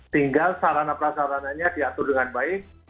tinggal sarana prasarananya diatur dengan baik